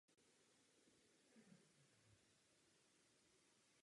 Zvláštní bezpečnostní opatření se dotkla i mešit.